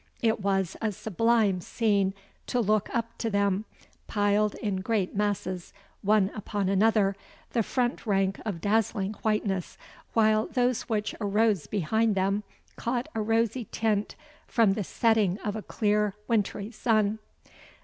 It was a sublime scene to look up to them, piled in great masses, one upon another, the front rank of dazzling whiteness, while those which arose behind them caught a rosy tint from the setting of a clear wintry sun.